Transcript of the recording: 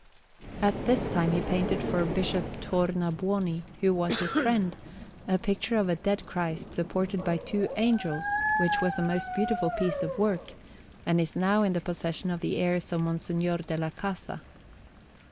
At this time he painted for Bishop Tornabuoni, who was his friend, a picture of a Dead Christ supported by two angels, which was a most beautiful piece of work, and is now in the possession of the heirs of Monsignor della Casa.